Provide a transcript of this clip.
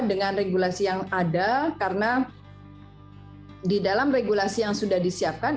dengan regulasi yang ada karena di dalam regulasi yang sudah disiapkan